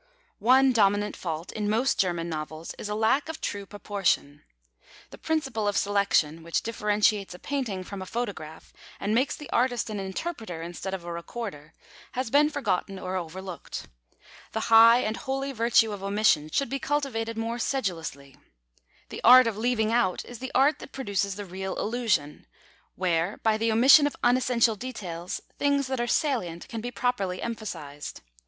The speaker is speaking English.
One dominant fault in most German novels is a lack of true proportion. The principle of selection, which differentiates a painting from a photograph, and makes the artist an Interpreter instead of a Recorder, has been forgotten or overlooked. The high and holy virtue of Omission should be cultivated more sedulously. The art of leaving out is the art that produces the real illusion where, by the omission of unessential details, things that are salient can be properly emphasised.